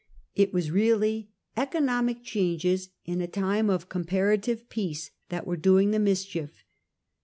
It was really economic changes, in a time of comparative peace, that were doing the mischief.